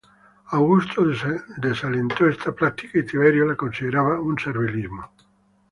Augusto desalentó esta práctica, y Tiberio la consideraba un servilismo.